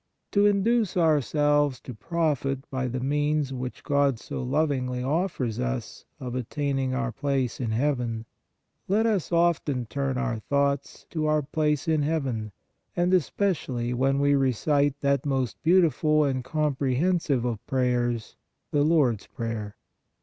To induce ourselves to profit by the means which God so lovingly offers us of attaining " our place in heaven/ let us often turn our thoughts to " our place in heaven," especially when we recite that most beautiful and comprehensive of prayers, the Lord s Prayer.